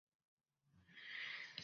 আমি আর নিতে পারছি না!